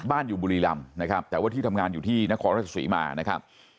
อยู่บุรีรำนะครับแต่ว่าที่ทำงานอยู่ที่นครราชศรีมานะครับ